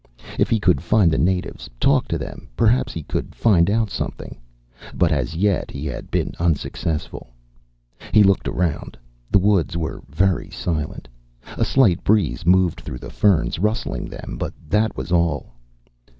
If he could find the natives, talk to them, perhaps he could find out something. But as yet he had been unsuccessful. He looked around. The woods were very silent. A slight breeze moved through the ferns, rustling them, but that was all.